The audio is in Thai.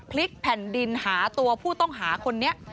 พลิกแผ่นดินหาตัวผู้ต้องหาคนนี้